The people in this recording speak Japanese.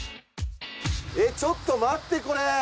えっちょっと待ってこれ！